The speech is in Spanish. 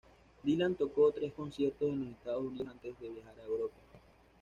Dylan tocó tres conciertos en los Estados Unidos antes de viajar a Europa.